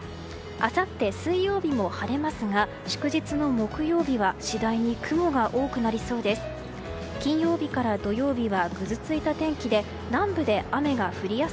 あさって、水曜日も晴れますが祝日の木曜日は次第に雲が多くなりそうです。